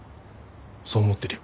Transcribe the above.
そう思ってるよ。